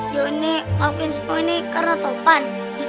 johnny ngawakin si kuntet karena topan